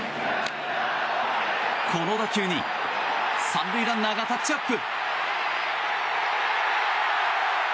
この打球に３塁ランナーがタッチアップ。